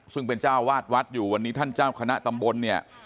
ซึ่งเป็นเจ้าวาดวัดอยู่วันนี้ท่านเจ้าคณะตำบลเนี่ย